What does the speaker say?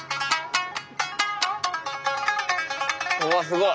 うわすごい！